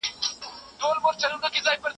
هغې وویل چې توازن مهم دی.